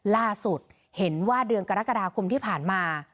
ล่าสุดเห็นว่าเดือนกรกฎาคมที่ผ่านมา